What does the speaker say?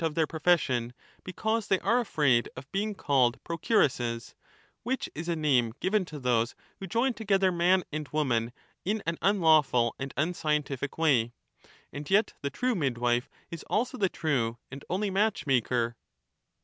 of their profession, because they are afraid of being called THEArrExus. procuresses^ which is a name given to those who join to gelKenfian and woman in an unlawful and unscientific way ; and yet the true midwife is also the true and only match maker.